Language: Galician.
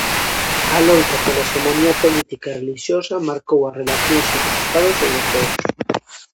A loita pola hexemonía política e relixiosa marcou as relacións entre os estados europeos.